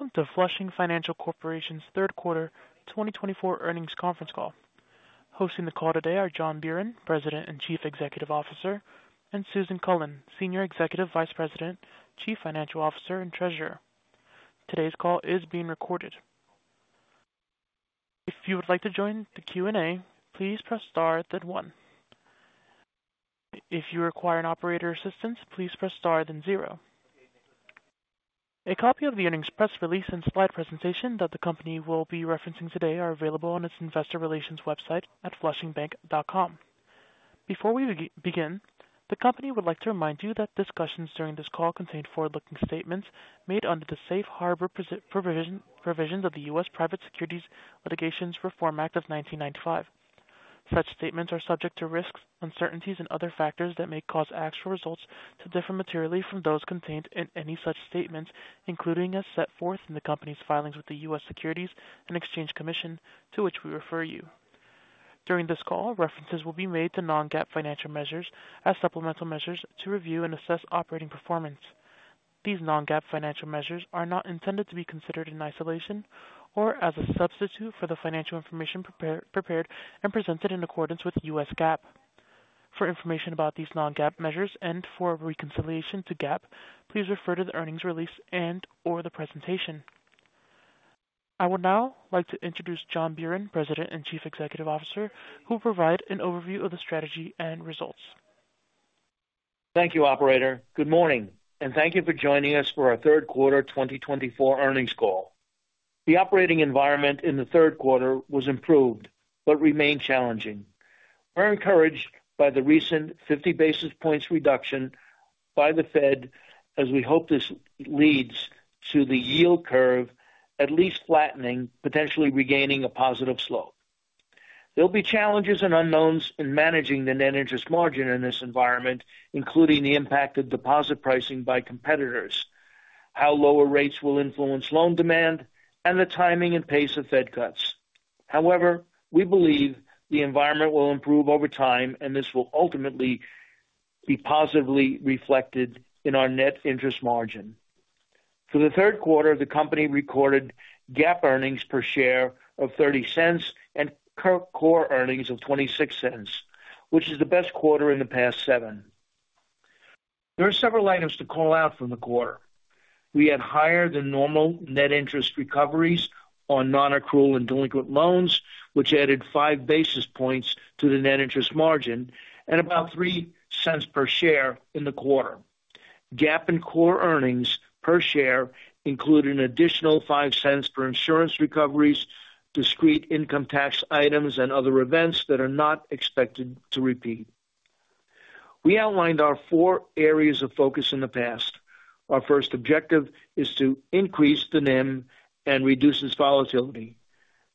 Welcome to Flushing Financial Corporation's Third Quarter 2024 Earnings Conference Call. Hosting the call today are John Buran, President and Chief Executive Officer, and Susan Cullen, Senior Executive Vice President, Chief Financial Officer, and Treasurer. Today's call is being recorded. If you would like to join the Q&A, please press star, then one. If you require an operator's assistance, please press star, then zero. A copy of the earnings press release and slide presentation that the company will be referencing today are available on its investor relations website at flushingbank.com. Before we begin, the company would like to remind you that discussions during this call contain forward-looking statements made under the safe harbor provisions of the U.S. Private Securities Litigation Reform Act of 1995. Such statements are subject to risks, uncertainties and other factors that may cause actual results to differ materially from those contained in any such statements, including as set forth in the company's filings with the US Securities and Exchange Commission, to which we refer you. During this call, references will be made to non-GAAP financial measures as supplemental measures to review and assess operating performance. These non-GAAP financial measures are not intended to be considered in isolation or as a substitute for the financial information prepared and presented in accordance with US GAAP. For information about these non-GAAP measures and for a reconciliation to GAAP, please refer to the earnings release and/or the presentation. I would now like to introduce John Buran, President and Chief Executive Officer, who will provide an overview of the strategy and results. Thank you, operator. Good morning, and thank you for joining us for our Third Quarter 2024 Earnings Call. The operating environment in the third quarter was improved but remained challenging. We're encouraged by the recent 50 basis points reduction by the Fed, as we hope this leads to the yield curve at least flattening, potentially regaining a positive slope. There'll be challenges and unknowns in managing the net interest margin in this environment, including the impact of deposit pricing by competitors, how lower rates will influence loan demand, and the timing and pace of Fed cuts. However, we believe the environment will improve over time, and this will ultimately be positively reflected in our net interest margin. For the third quarter, the company recorded GAAP earnings per share of $0.30 and core earnings of $0.26, which is the best quarter in the past seven. There are several items to call out from the quarter. We had higher than normal net interest recoveries on non-accrual and delinquent loans, which added five basis points to the net interest margin at about $0.03 per share in the quarter. GAAP and core earnings per share include an additional $0.05 for insurance recoveries, discrete income tax items and other events that are not expected to repeat. We outlined our four areas of focus in the past. Our first objective is to increase the NIM and reduce its volatility.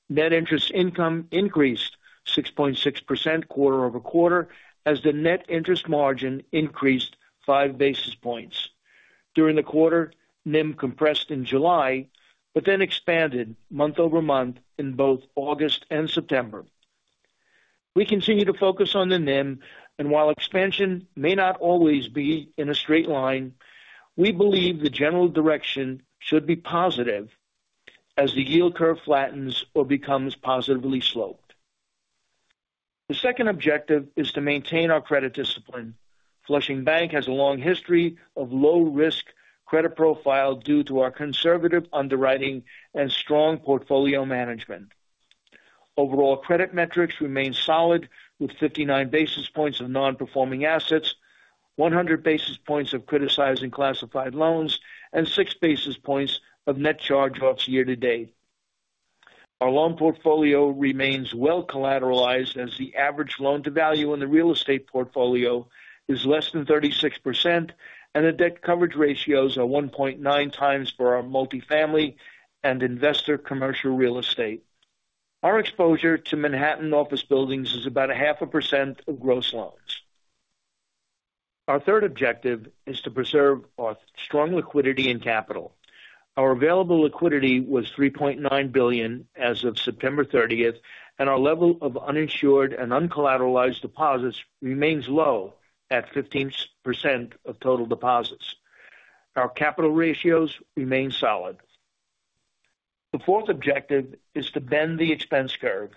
Net interest income increased 6.6% quarter-over-quarter as the net interest margin increased 5 basis points. During the quarter, NIM compressed in July, but then expanded month over month in both August and September. We continue to focus on the NIM, and while expansion may not always be in a straight line, we believe the general direction should be positive as the yield curve flattens or becomes positively sloped. The second objective is to maintain our credit discipline. Flushing Bank has a long history of low-risk credit profile due to our conservative underwriting and strong portfolio management. Overall credit metrics remain solid, with 59 basis points of non-performing assets, 100 basis points of criticized classified loans, and 6 basis points of net charge-offs year-to-date. Our loan portfolio remains well collateralized, as the average loan-to-value in the real estate portfolio is less than 36%, and the debt coverage ratios are 1.9x for our multifamily and investor commercial real estate. Our exposure to Manhattan office buildings is about 0.5% of gross loans. Our third objective is to preserve our strong liquidity and capital. Our available liquidity was $3.9 billion as of September 30th, and our level of uninsured and uncollateralized deposits remains low at 15% of total deposits. Our capital ratios remain solid. The fourth objective is to bend the expense curve.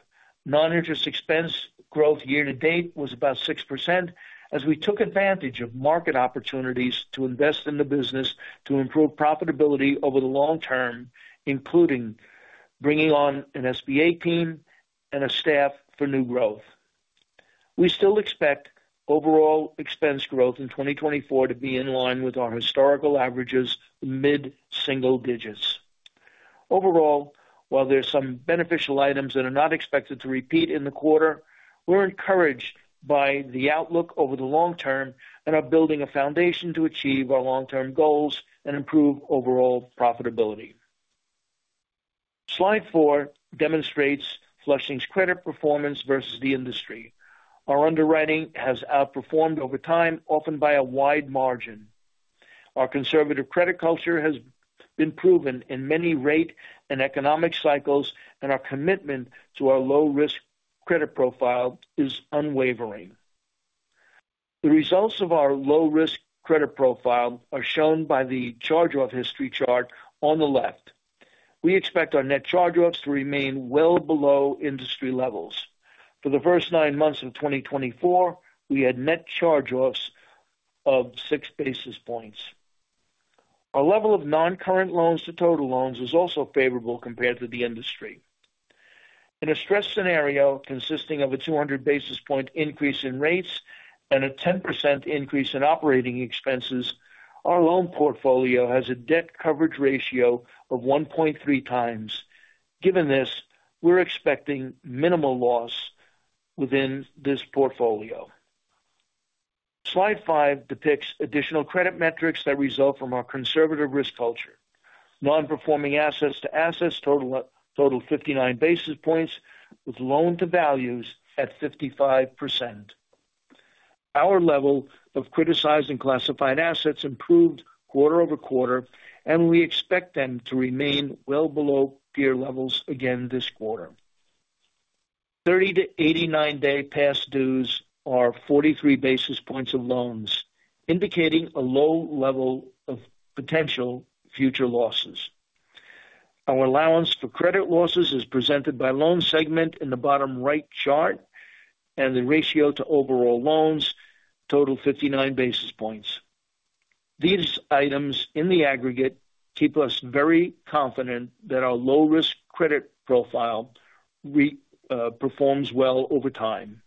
Non-interest expense growth year-to-date was about 6%, as we took advantage of market opportunities to invest in the business to improve profitability over the long term, including bringing on an SBA team and a staff for new growth. We still expect overall expense growth in 2024 to be in line with our historical averages, mid-single digits. Overall, while there are some beneficial items that are not expected to repeat in the quarter, we're encouraged by the outlook over the long term and are building a foundation to achieve our long-term goals and improve overall profitability. Slide four demonstrates Flushing's credit performance versus the industry. Our underwriting has outperformed over time, often by a wide margin. Our conservative credit culture has been proven in many rate and economic cycles, and our commitment to our low-risk credit profile is unwavering. The results of our low-risk credit profile are shown by the charge-off history chart on the left. We expect our net charge-offs to remain well below industry levels. For the first nine months of 2024, we had net charge-offs of 6 basis points. Our level of non-current loans to total loans is also favorable compared to the industry. In a stress scenario consisting of a 200 basis point increase in rates and a 10% increase in operating expenses, our loan portfolio has a debt coverage ratio of 1.3x. Given this, we're expecting minimal loss within this portfolio. Slide five depicts additional credit metrics that result from our conservative risk culture. Non-performing assets to total assets total 59 basis points, with loan-to-values at 55%. Our level of criticized and classified assets improved quarter-over-quarter, and we expect them to remain well below peer levels again this quarter.30-89 day past dues are 43 basis points of loans, indicating a low level of potential future losses. Our allowance for credit losses is presented by loan segment in the bottom right chart, and the ratio to overall loans totals 59 basis points. These items in the aggregate keep us very confident that our low-risk credit profile performs well over time.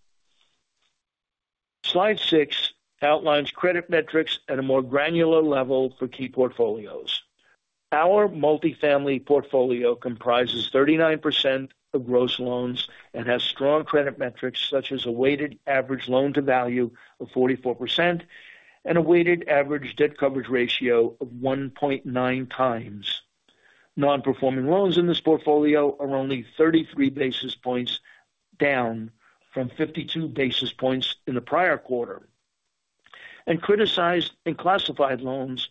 Slide six outlines credit metrics at a more granular level for key portfolios. Our multifamily portfolio comprises 39% of gross loans and has strong credit metrics, such as a weighted average loan-to-value of 44% and a weighted average debt coverage ratio of 1.9x. Non-performing loans in this portfolio are only 33 basis points, down from 52 basis points in the prior quarter, and criticized and classified loans are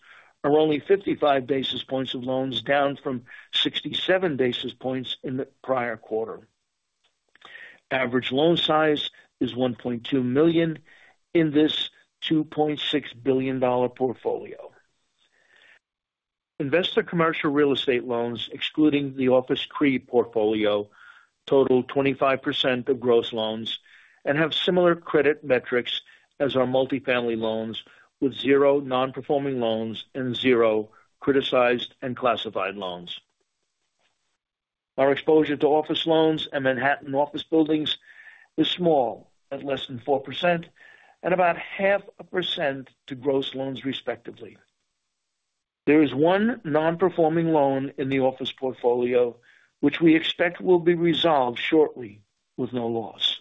only 55 basis points of loans, down from 67 basis points in the prior quarter. Average loan size is $1.2 million in this $2.6 billion portfolio. Investor commercial real estate loans, excluding the office CRE portfolio, total 25% of gross loans and have similar credit metrics as our multifamily loans, with zero non-performing loans and zero criticized and classified loans. Our exposure to office loans and Manhattan office buildings is small, at less than 4% and about 0.5% of gross loans respectively. There is one non-performing loan in the office portfolio, which we expect will be resolved shortly with no loss.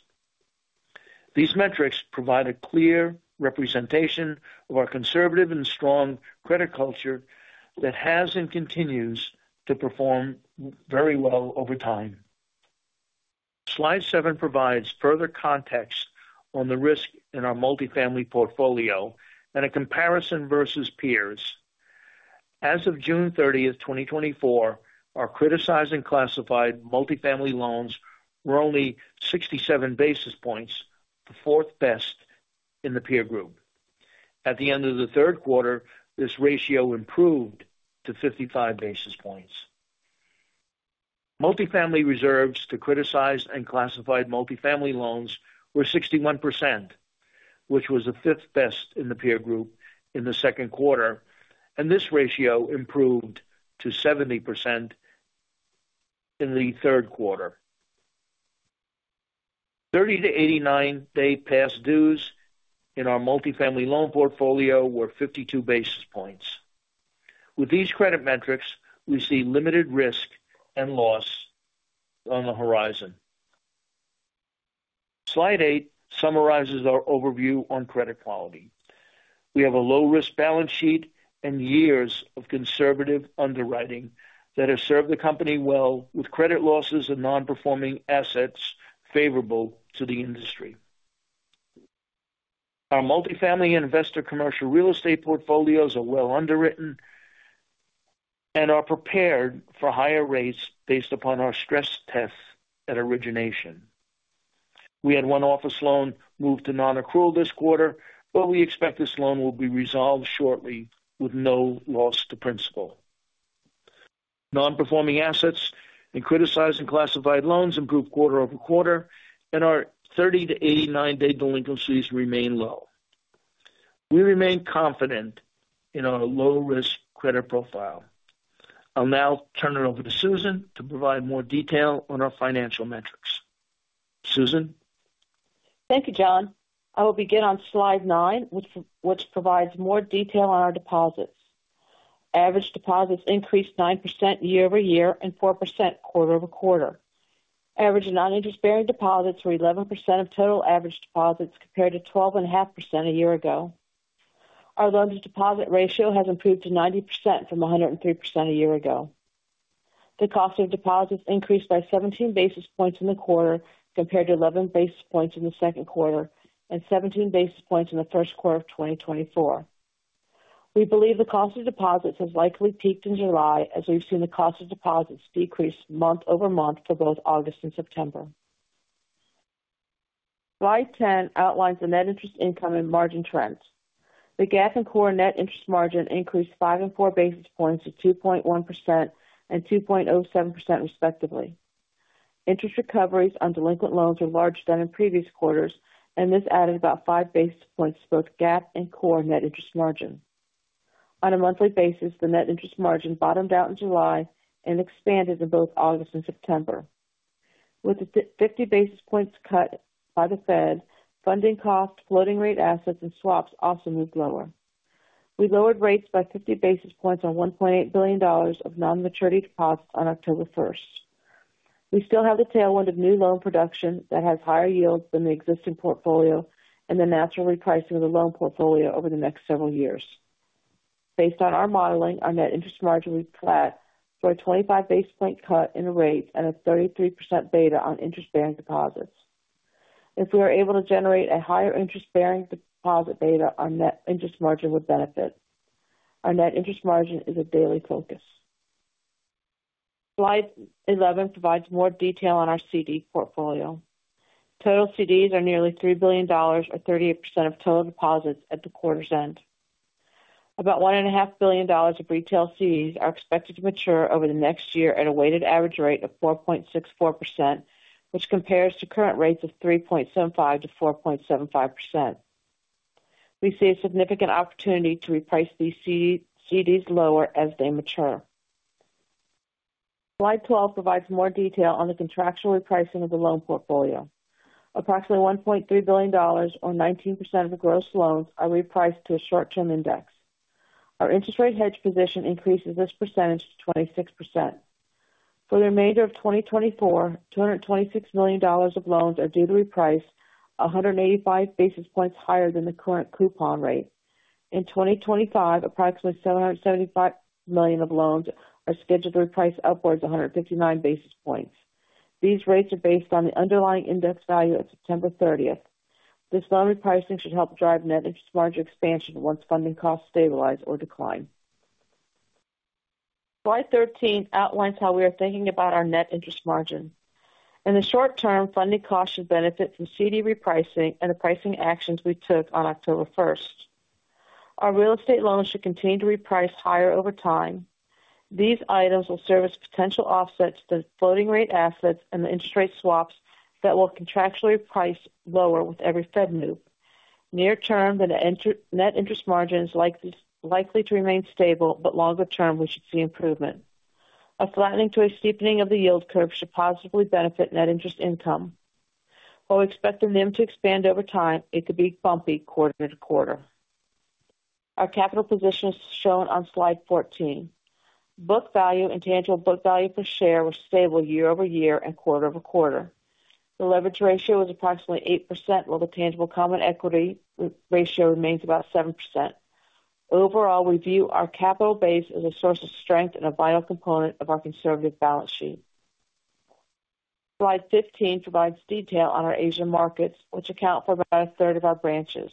These metrics provide a clear representation of our conservative and strong credit culture that has and continues to perform very well over time. Slide seven provides further context on the risk in our multifamily portfolio and a comparison versus peers. As of June 30th, 2024, our criticized and classified multifamily loans were only 67 basis points, the fourth best in the peer group. At the end of the third quarter, this ratio improved to 55 basis points. Multifamily reserves to criticized and classified multifamily loans were 61%, which was the fifth best in the peer group in the second quarter, and this ratio improved to 70% in the third quarter.30-89 day past dues in our multifamily loan portfolio were 52 basis points. With these credit metrics, we see limited risk and loss on the horizon. Slide eight summarizes our overview on credit quality. We have a low-risk balance sheet and years of conservative underwriting that have served the company well with credit losses and non-performing assets favorable to the industry. Our multifamily investor commercial real estate portfolios are well underwritten and are prepared for higher rates based upon our stress tests at origination. We had one office loan moved to non-accrual this quarter, but we expect this loan will be resolved shortly with no loss to principal. Non-performing assets and criticized and classified loans improved quarter-over-quarter, 30-89 day delinquencies remain low. We remain confident in our low-risk credit profile. I'll now turn it over to Susan to provide more detail on our financial metrics. Susan? Thank you, John. I will begin on slide nine, which provides more detail on our deposits. Average deposits increased 9% year-over-year and 4% quarter-over-quarter. Average non-interest-bearing deposits were 11% of total average deposits, compared to 12.5% a year ago. Our loan-to-deposit ratio has improved to 90% from 103% a year ago. The cost of deposits increased by 17 basis points in the quarter, compared to 11 basis points in the second quarter and 17 basis points in the first quarter of 2024. We believe the cost of deposits has likely peaked in July, as we've seen the cost of deposits decrease month over month for both August and September. Slide 10 outlines the net interest income and margin trends. The GAAP and core net interest margin increased 5 and 4 basis points to 2.1% and 2.07%, respectively. Interest recoveries on delinquent loans were larger than in previous quarters, and this added about five basis points to both GAAP and core net interest margin. On a monthly basis, the net interest margin bottomed out in July and expanded in both August and September. With the 50 basis points cut by the Fed, funding costs, floating rate assets and swaps also moved lower. We lowered rates by 50 basis points on $1.8 billion of non-maturity deposits on October first. We still have the tailwind of new loan production that has higher yields than the existing portfolio and the natural repricing of the loan portfolio over the next several years. Based on our modeling, our net interest margin will be flat for a 25 basis points cut in the rate and a 33% beta on interest-bearing deposits. If we are able to generate a higher interest-bearing deposit beta, our net interest margin would benefit. Our net interest margin is a daily focus. Slide 11 provides more detail on our CD portfolio. Total CDs are nearly $3 billion, or 38% of total deposits at the quarter's end. About $1.5 billion of retail CDs are expected to mature over the next year at a weighted average rate of 4.64%, which compares to current rates of 3.75%-4.75%. We see a significant opportunity to reprice these CDs lower as they mature. Slide 12 provides more detail on the contractual repricing of the loan portfolio. Approximately $1.3 billion, or 19% of the gross loans, are repriced to a short-term index. Our interest rate hedge position increases this percentage to 26%. For the remainder of 2024, $226 million of loans are due to reprice 185 basis points higher than the current coupon rate. In 2025, approximately $775 million of loans are scheduled to reprice upwards 159 basis points. These rates are based on the underlying index value of September 30th. This loan repricing should help drive net interest margin expansion once funding costs stabilize or decline. Slide 13 outlines how we are thinking about our net interest margin. In the short term, funding costs should benefit from CD repricing and the pricing actions we took on October 1st. Our real estate loans should continue to reprice higher over time. These items will serve as potential offsets to the floating rate assets and the interest rate swaps that will contractually price lower with every Fed move. Near term, the net interest margin is likely to remain stable, but longer term, we should see improvement. A flattening to a steepening of the yield curve should positively benefit net interest income. While we expect the NIM to expand over time, it could be bumpy quarter to quarter. Our capital position is shown on slide 14. Book value and tangible book value per share were stable year-over-year and quarter-over-quarter. The leverage ratio is approximately 8%, while the tangible common equity ratio remains about 7%. Overall, we view our capital base as a source of strength and a vital component of our conservative balance sheet. Slide 15 provides detail on our Asian markets, which account for about a third of our branches.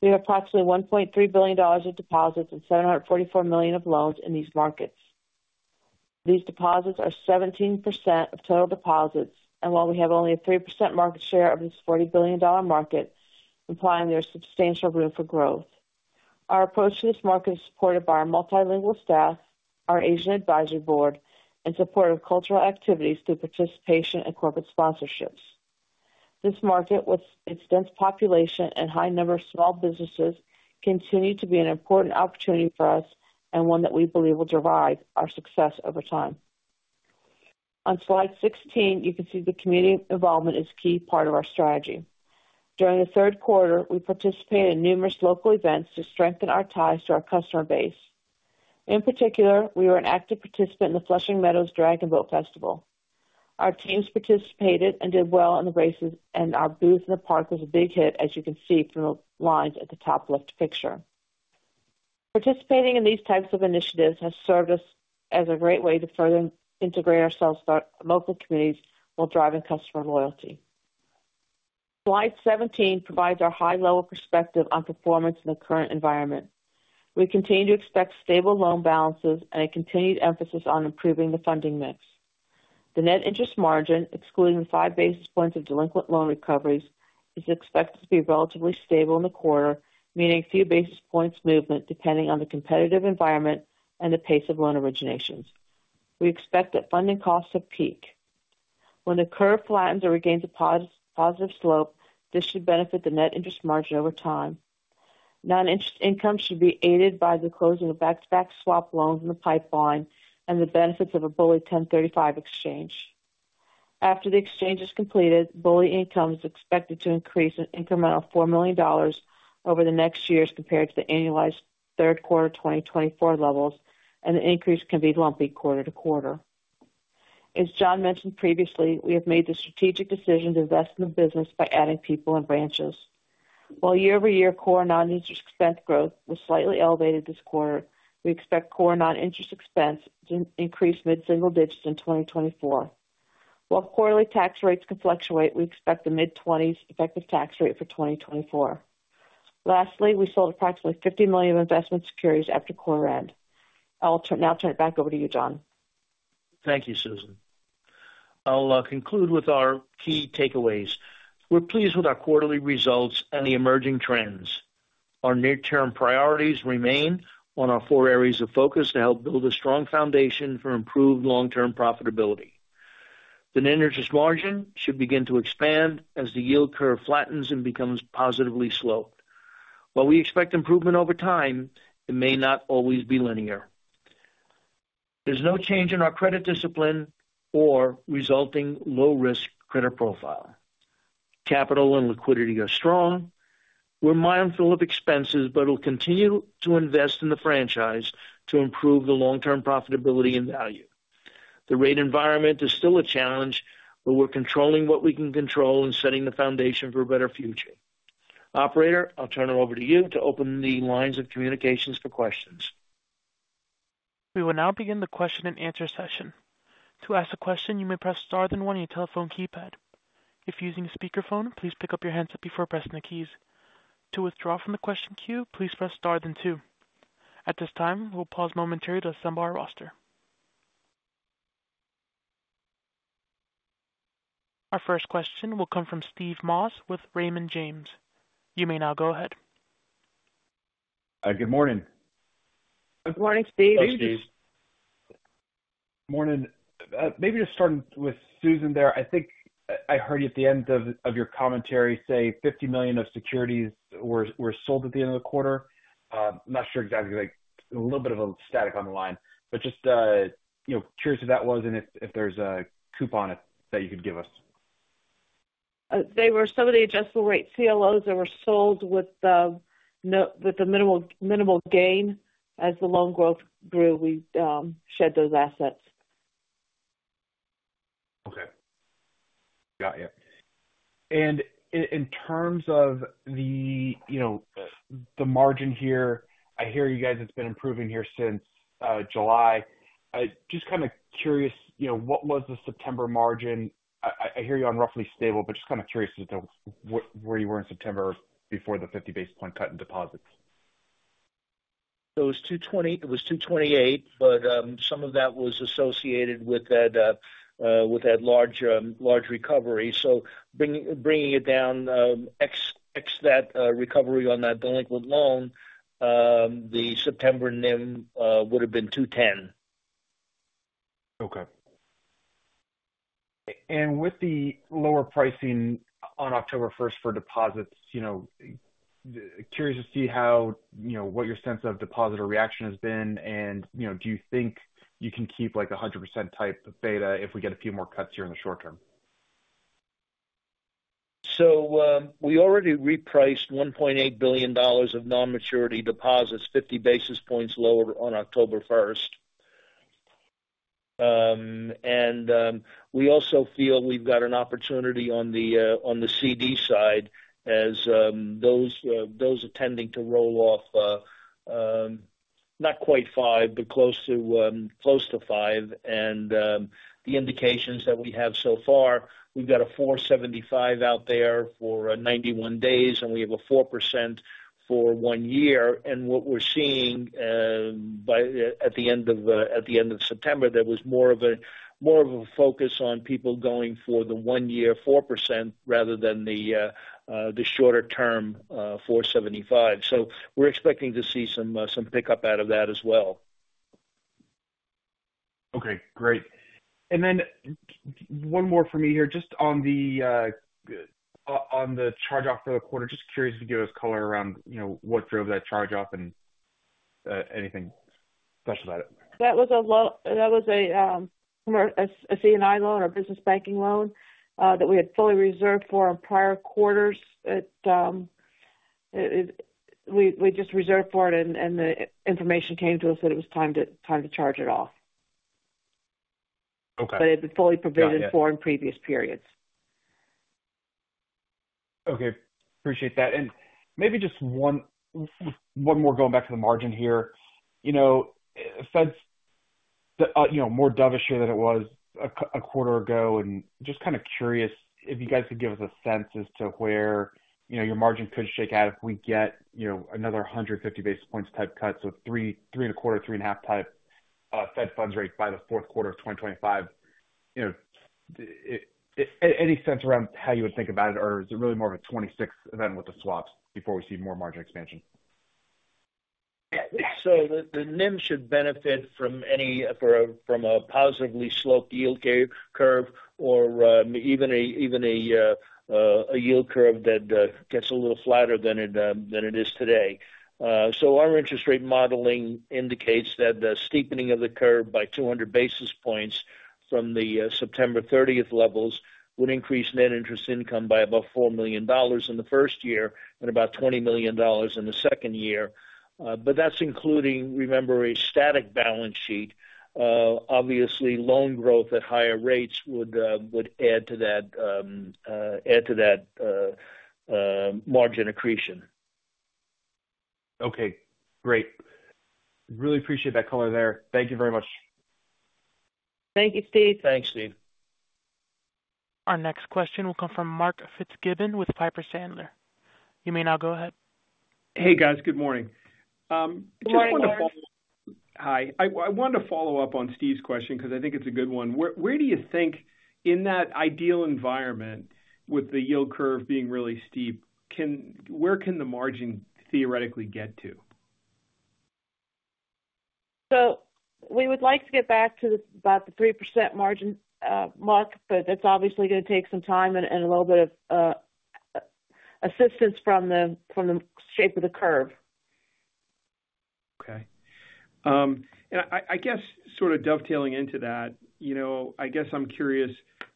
We have approximately $1.3 billion of deposits and $744 million of loans in these markets. These deposits are 17% of total deposits, and while we have only a 3% market share of this $40 billion market, implying there is substantial room for growth. Our approach to this market is supported by our multilingual staff, our Asian Advisory Board, and support of cultural activities through participation and corporate sponsorships. This market, with its dense population and high number of small businesses, continue to be an important opportunity for us and one that we believe will drive our success over time. On slide 16, you can see that community involvement is a key part of our strategy. During the third quarter, we participated in numerous local events to strengthen our ties to our customer base. In particular, we were an active participant in the Flushing Meadows Dragon Boat Festival. Our teams participated and did well in the races, and our booth in the park was a big hit, as you can see from the lines at the top left picture. Participating in these types of initiatives has served us as a great way to further integrate ourselves to our local communities while driving customer loyalty. Slide 17 provides our high-level perspective on performance in the current environment. We continue to expect stable loan balances and a continued emphasis on improving the funding mix. The net interest margin, excluding 5 basis points of delinquent loan recoveries, is expected to be relatively stable in the quarter, meaning a few basis points movement, depending on the competitive environment and the pace of loan originations. We expect that funding costs have peaked. When the curve flattens or regains a positive slope, this should benefit the net interest margin over time. Non-interest income should be aided by the closing of back-to-back swap loans in the pipeline and the benefits of a BOLI 1035 exchange. After the exchange is completed, BOLI income is expected to increase an incremental $4 million over the next years, compared to the annualized third quarter 2024 levels, and the increase can be lumpy quarter to quarter. As John mentioned previously, we have made the strategic decision to invest in the business by adding people and branches. While year-over-year core non-interest expense growth was slightly elevated this quarter, we expect core non-interest expense to increase mid-single digits in 2024. While quarterly tax rates can fluctuate, we expect the mid-twenties effective tax rate for 2024. Lastly, we sold approximately $50 million of investment securities after quarter end. I'll turn it back over to you, John. Thank you, Susan. I'll conclude with our key takeaways. We're pleased with our quarterly results and the emerging trends. Our near-term priorities remain on our four areas of focus to help build a strong foundation for improved long-term profitability. The net interest margin should begin to expand as the yield curve flattens and becomes positively sloped. While we expect improvement over time, it may not always be linear. There's no change in our credit discipline or resulting low-risk credit profile. Capital and liquidity are strong. We're mindful of expenses, but we'll continue to invest in the franchise to improve the long-term profitability and value. The rate environment is still a challenge, but we're controlling what we can control and setting the foundation for a better future. Operator, I'll turn it over to you to open the lines of communications for questions. We will now begin the question-and-answer session. To ask a question, you may press star then one on your telephone keypad. If you're using a speakerphone, please pick up your handset before pressing the keys. To withdraw from the question queue, please press star then two. At this time, we'll pause momentarily to assemble our roster. Our first question will come from Steve Moss with Raymond James. You may now go ahead. Good morning. Good morning, Steve. Hi, Steve. Morning. Maybe just starting with Susan there. I think I heard you at the end of your commentary say $50 million of securities were sold at the end of the quarter. I'm not sure exactly, like, a little bit of a static on the line, but just, you know, curious who that was and if there's a coupon that you could give us. They were some of the adjustable rate CLOs that were sold with a minimal, minimal gain. As the loan growth grew, we shed those assets. Okay. Got you. And in terms of the, you know, the margin here, I hear you guys it's been improving here since July. I just kind of curious, you know, what was the September margin? I hear you on roughly stable, but just kind of curious as to where you were in September before the 50 basis points cut in deposits. So it was 2.28%, but some of that was associated with that large recovery. So bringing it down, ex that recovery on that delinquent loan, the September NIM would've been 2.10%. Okay, and with the lower pricing on October 1st for deposits, you know, curious to see how, you know, what your sense of depositor reaction has been, and, you know, do you think you can keep, like, a 100% type of beta if we get a few more cuts here in the short term? We already repriced $1.8 billion of non-maturity deposits 50 basis points lower on October first. We also feel we've got an opportunity on the CD side as those are tending to roll off not quite 5%, but close to 5%. The indications that we have so far, we've got a 4.75% out there for 91 days, and we have a 4% for one year. What we're seeing at the end of September, there was more of a focus on people going for the one-year 4% rather than the shorter-term 4.75%. We're expecting to see some pickup out of that as well. Okay, great. And then one more for me here, just on the charge-off for the quarter. Just curious if you could give us color around, you know, what drove that charge-off and anything special about it? That was a loan, a C&I loan, our business banking loan, that we had fully reserved for in prior quarters. It. We just reserved for it, and the information came to us that it was time to charge it off. Okay. But it had been fully provided for- Got it. in previous periods. Okay. Appreciate that. And maybe just one more going back to the margin here. You know, Fed's, you know, more dovish here than it was a quarter ago, and just kind of curious if you guys could give us a sense as to where, you know, your margin could shake out if we get, you know, another 150 basis points type cut, so 3%, 3.25%, 3.5% type, Fed funds rate by the fourth quarter of 2025. You know, any sense around how you would think about it, or is it really more of a 2026 event with the swaps before we see more margin expansion? So the NIM should benefit from any from a positively sloped yield curve or even a yield curve that gets a little flatter than it is today. So our interest rate modeling indicates that the steepening of the curve by 200 basis points from the September 30th levels would increase net interest income by about $4 million in the first year and about $20 million in the second year. But that's including, remember, a static balance sheet. Obviously, loan growth at higher rates would add to that margin accretion. Okay, great. Really appreciate that color there. Thank you very much. Thank you, Steve. Thanks, Steve. Our next question will come from Mark Fitzgibbon with Piper Sandler. You may now go ahead. Hey, guys. Good morning. Good morning, Mark. Hi. I wanted to follow up on Steve's question because I think it's a good one. Where do you think in that ideal environment, with the yield curve being really steep, can the margin theoretically get to? So we would like to get back to about the 3% margin, Mark, but that's obviously going to take some time and a little bit of assistance from the shape of the curve. Okay. And I guess sort of dovetailing into that, you know, I guess I'm curious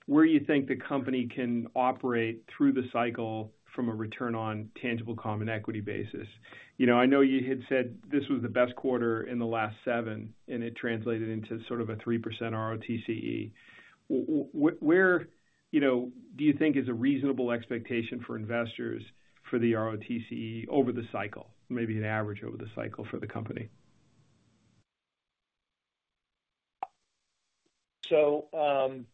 where you think the company can operate through the cycle from a return on tangible common equity basis. You know, I know you had said this was the best quarter in the last seven, and it translated into sort of a 3% ROTCE. Where, you know, do you think is a reasonable expectation for investors for the ROTCE over the cycle? Maybe an average over the cycle for the company. So,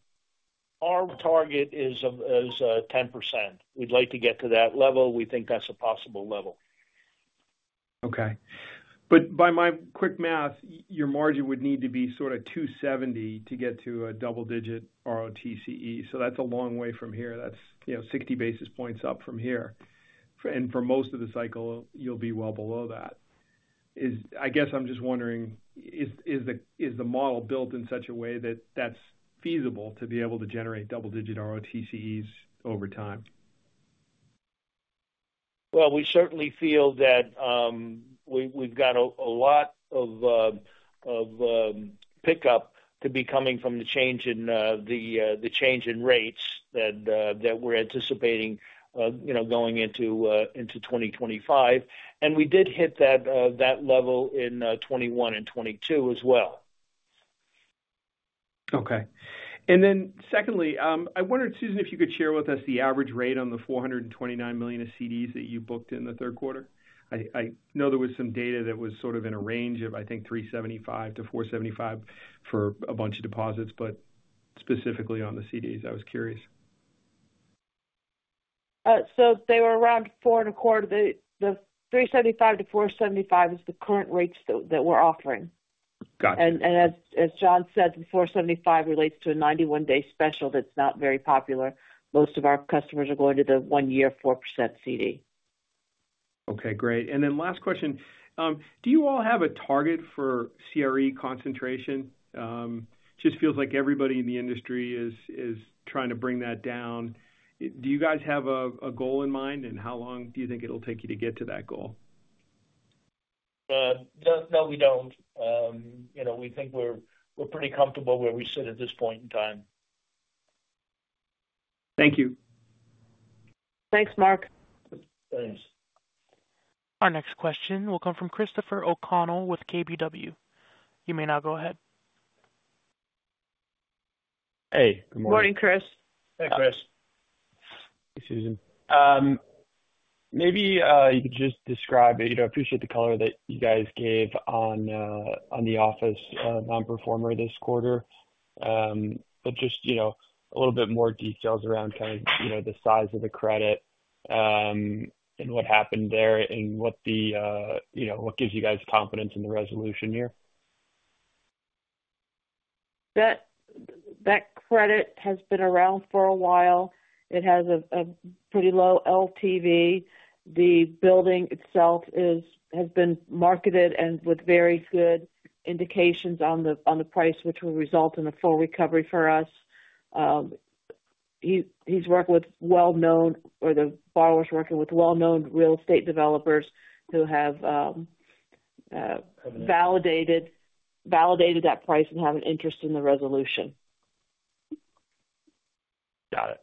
our target is 10%. We'd like to get to that level. We think that's a possible level. Okay. But by my quick math, your margin would need to be sort of two seventy to get to a double-digit ROTCE. So that's a long way from here. That's, you know, 60 basis points up from here. And for most of the cycle, you'll be well below that. I guess I'm just wondering, is the model built in such a way that that's feasible to be able to generate double-digit ROTCEs over time? We certainly feel that we've got a lot of pickup to be coming from the change in rates that we're anticipating, you know, going into 2025. And we did hit that level in 2021 and 2022 as well. Okay. And then secondly, I wondered, Susan, if you could share with us the average rate on the $429 million of CDs that you booked in the third quarter. I know there was some data that was sort of in a range of, I think, 3.75%-4.75% for a bunch of deposits, but specifically on the CDs, I was curious. So they were around 4.25%. The 3.75%-4.75% is the current rates that we're offering. Got it. As John said, the 4.75% relates to a 91-day special that's not very popular. Most of our customers are going to the 1-year 4% CD. Okay, great. And then last question: do you all have a target for CRE concentration? Just feels like everybody in the industry is trying to bring that down. Do you guys have a goal in mind, and how long do you think it'll take you to get to that goal? No, no, we don't. You know, we think we're pretty comfortable where we sit at this point in time. Thank you. Thanks, Mark. Thanks. Our next question will come from Christopher O'Connell with KBW. You may now go ahead. Hey, good morning. Morning, Chris. Hey, Chris. Hey, Susan. Maybe you could just describe it. I appreciate the color that you guys gave on the office non-performer this quarter. But just, you know, a little bit more details around kind of, you know, the size of the credit, and what happened there and what the, you know, what gives you guys confidence in the resolution here? That credit has been around for a while. It has a pretty low LTV. The building itself has been marketed and with very good indications on the price, which will result in a full recovery for us. He's working with well-known, or the borrower's working with well-known real estate developers who have validated that price and have an interest in the resolution. Got it.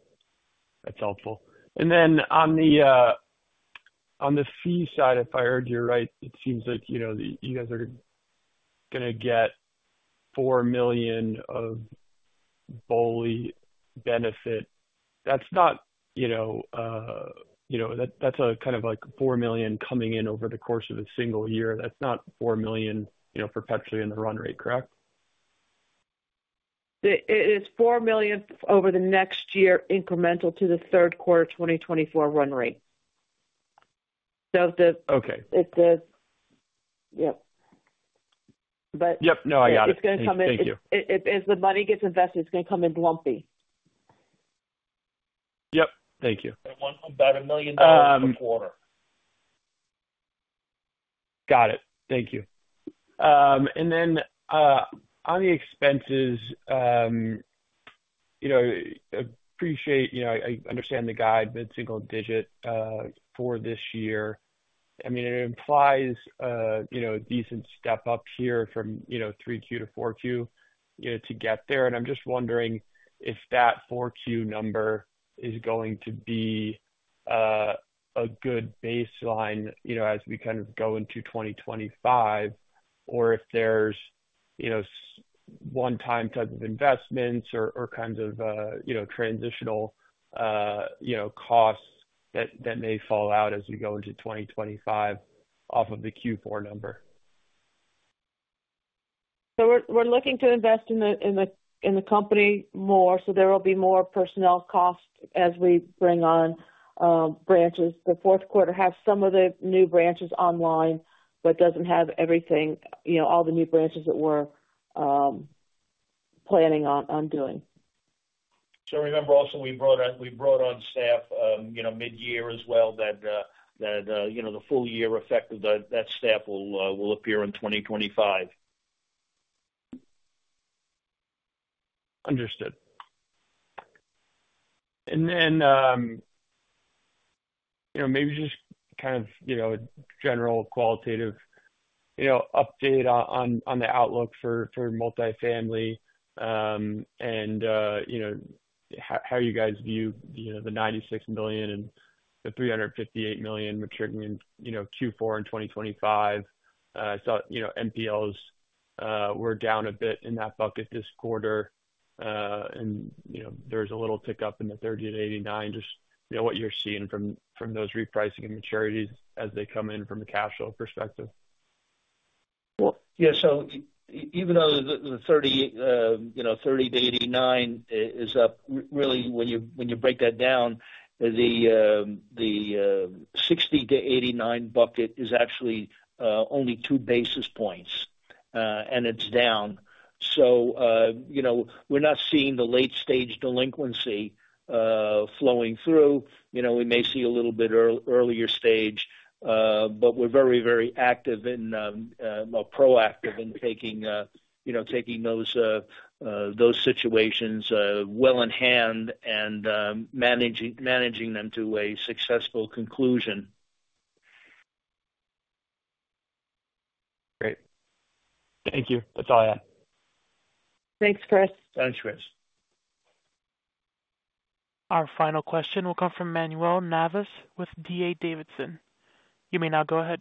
That's helpful. And then on the fee side, if I heard you right, it seems like, you know, you guys are gonna get $4 million of BOLI benefit. That's not, you know, you know, that, that's a kind of like $4 million coming in over the course of a single year. That's not $4 million, you know, perpetually in the run rate, correct? It is 4 million over the next year, incremental to the third quarter of 2024 run rate. So the- Okay. It's, Yep. But- Yep. No, I got it. It's gonna come in. Thank you. As the money gets invested, it's gonna come in lumpy. Yep. Thank you. About $1 million per quarter. Got it. Thank you. And then, on the expenses, you know, appreciate, you know, I, I understand the guide, mid-single digit, for this year. I mean, it implies, you know, a decent step up here from, you know, 3Q to 4Q, you know, to get there. And I'm just wondering if that 4Q number is going to be, a good baseline, you know, as we kind of go into 2025, or if there's, you know, one time type of investments or, or kinds of, you know, transitional, you know, costs that, that may fall out as we go into 2025 off of the Q4 number? So we're looking to invest in the company more, so there will be more personnel costs as we bring on branches. The fourth quarter has some of the new branches online, but doesn't have everything, you know, all the new branches that we're planning on doing. Remember also, we brought on staff, you know, mid-year as well, that the full year effect of that staff will appear in 2025. Understood. And then, you know, maybe just kind of, you know, general qualitative, you know, update on the outlook for multifamily. And, you know, how you guys view, you know, the $96 million and the $358 million maturing in, you know, Q4 in 2025. I saw, you know, NPLs were down a bit in that bucket this quarter. And, you know, there's a little tick up in the 30-89. Just, you know, what you're seeing from those repricing maturities as they come in from a cash flow perspective. Yeah. Even though the 30-89 is up, really when you break that down, the 60-89 bucket is actually only two basis points, and it's down. You know, we're not seeing the late stage delinquency flowing through. You know, we may see a little bit earlier stage, but we're very, very active and proactive in taking, you know, taking those situations well in hand and managing them to a successful conclusion. Great. Thank you. That's all I have. Thanks, Chris. Thanks, Chris. Our final question will come from Manuel Navas with D.A. Davidson. You may now go ahead.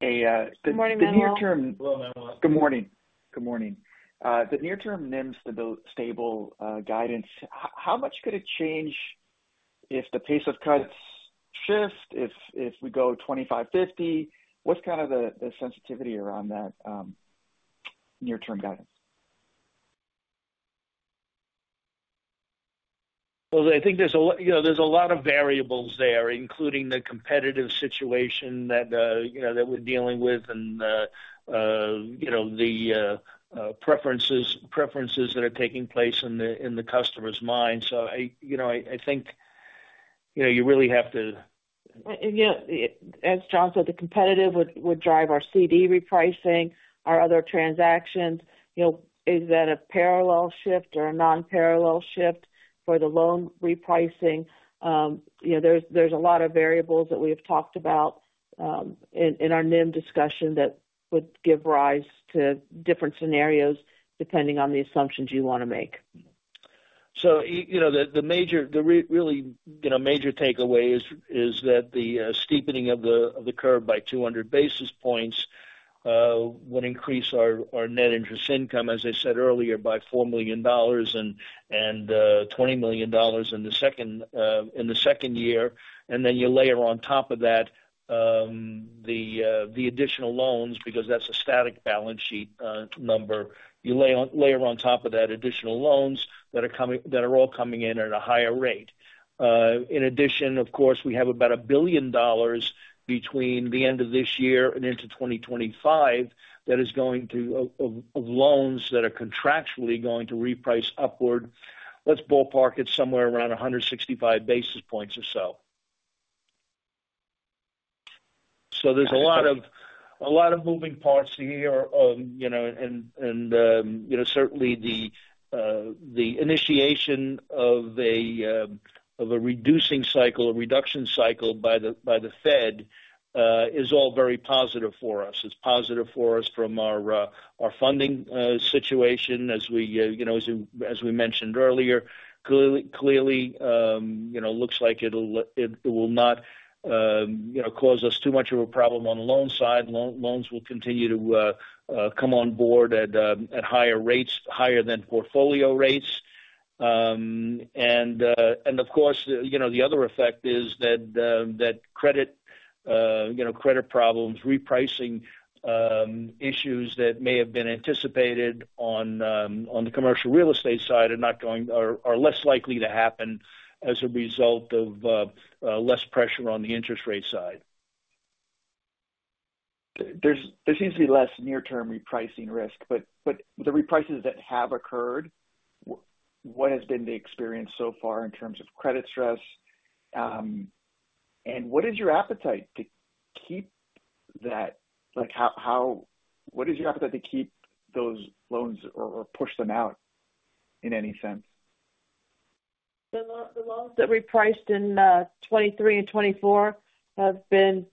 Hey, uh- Good morning, Manuel. The near term- Hello, Manuel. Good morning. Good morning. The near-term NIMs for the stable guidance, how much could it change if the pace of cuts shift, if we go 25-50? What's kind of the sensitivity around that near-term guidance? Well, I think there's a lot of variables there, including the competitive situation that, you know, that we're dealing with and, you know, the preferences that are taking place in the customer's mind. So I, you know, I think, you know, you really have to- You know, as John said, the competition would drive our CD repricing, our other transactions. You know, is that a parallel shift or a non-parallel shift for the loan repricing? You know, there's a lot of variables that we have talked about in our NIM discussion that would give rise to different scenarios depending on the assumptions you want to make. So, you know, the major, really, you know, major takeaway is that the steepening of the curve by 200 basis points would increase our net interest income, as I said earlier, by $4 million and $20 million in the second year. And then you layer on top of that the additional loans because that's a static balance sheet number. You layer on top of that additional loans that are coming that are all coming in at a higher rate. In addition, of course, we have about $1 billion between the end of this year and into 2025 that is going to of loans that are contractually going to reprice upward. Let's ballpark it somewhere around 165 basis points or so. So there's a lot of, a lot of moving parts here, you know, certainly the initiation of a reducing cycle, a reduction cycle by the Fed, is all very positive for us. It's positive for us from our funding situation, as we you know, as we mentioned earlier. Clearly, you know, looks like it will not, you know, cause us too much of a problem on the loan side. Loans will continue to come on board at higher rates, higher than portfolio rates. And of course, you know, the other effect is that credit problems, repricing issues that may have been anticipated on the commercial real estate side are less likely to happen as a result of less pressure on the interest rate side. There's, there seems to be less near-term repricing risk, but the reprices that have occurred, what has been the experience so far in terms of credit stress? And what is your appetite to keep that? Like, how... What is your appetite to keep those loans or push them out in any sense? The loans that repriced in 2023 and 2024 have been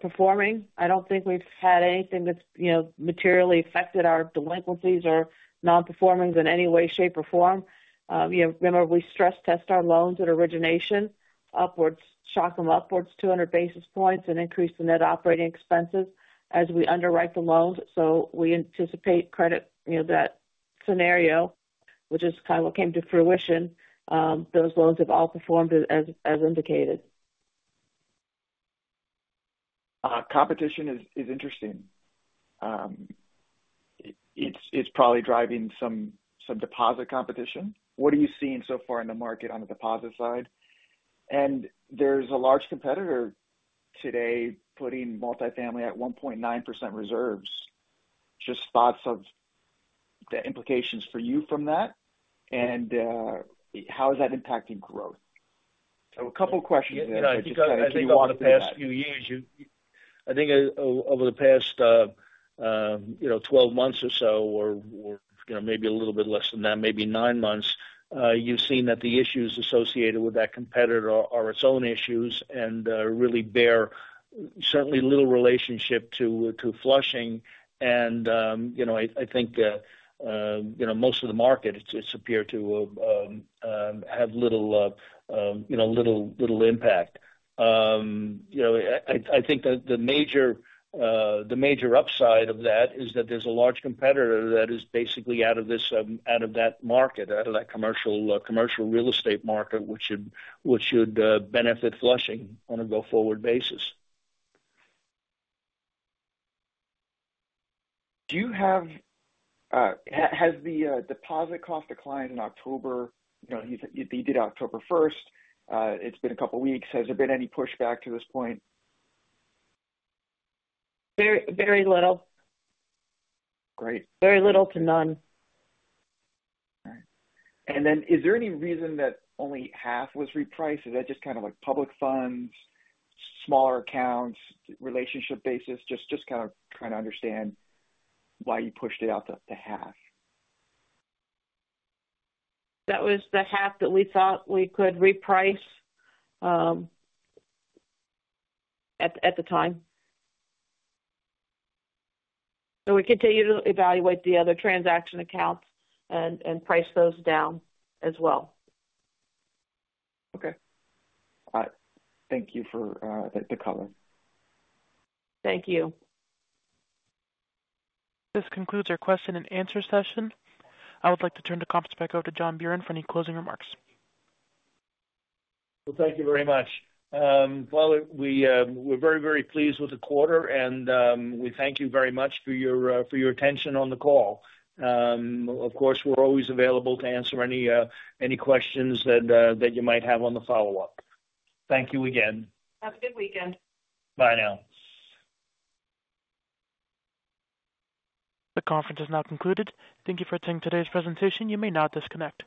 performing. I don't think we've had anything that's, you know, materially affected our delinquencies or non-performance in any way, shape, or form. You know, remember, we stress test our loans at origination upwards, shock them upwards two hundred basis points and increase the net operating expenses as we underwrite the loans. So we anticipate credit, you know, that scenario which is kind of what came to fruition, those loans have outperformed as indicated. Competition is interesting. It is probably driving some deposit competition. What are you seeing so far in the market on the deposit side? And there's a large competitor today putting multifamily at 1.9% reserves. Just thoughts of the implications for you from that, and how is that impacting growth? So a couple questions. Yeah, I think over the past few years, I think over the past 12 months or so, or you know, maybe a little bit less than that, maybe 9 months, you've seen that the issues associated with that competitor are its own issues and really bear certainly little relationship to Flushing, and you know, I think you know, most of the market, it's appeared to have little, you know, impact. You know, I think that the major upside of that is that there's a large competitor that is basically out of this, out of that market, out of that commercial real estate market, which should benefit Flushing on a go-forward basis. Has the deposit cost declined in October? You know, you did October first. It's been a couple weeks. Has there been any pushback to this point? Very, very little. Great. Very little to none. All right. And then is there any reason that only half was repriced, or is that just kind of like public funds, smaller accounts, relationship basis? Just to kind of try to understand why you pushed it out to half. That was the half that we thought we could reprice at the time. So we continue to evaluate the other transaction accounts and price those down as well. Okay. All right. Thank you for the color. Thank you. This concludes our question-and-answer session. I would like to turn the conference back over to John Buran for any closing remarks. Thank you very much. We're very, very pleased with the quarter, and we thank you very much for your attention on the call. Of course, we're always available to answer any questions that you might have on the follow-up. Thank you again. Have a good weekend. Bye now. The conference is now concluded. Thank you for attending today's presentation. You may now disconnect.